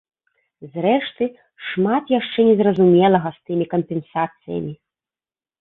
Зрэшты, шмат яшчэ незразумелага з тымі кампенсацыямі.